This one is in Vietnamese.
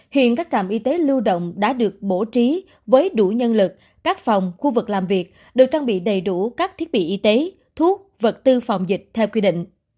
hiện các trạm y tế lưu động đã được bố trí với đủ nhân lực các phòng khu vực làm việc được trang bị đầy đủ các thiết bị y tế thuốc vật tư phòng dịch theo quy định